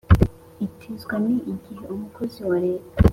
Itizwa ni igihe umukozi wa leta